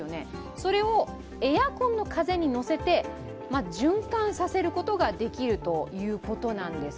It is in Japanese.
それをエアコンの風に乗せて循環させることができるということなんです。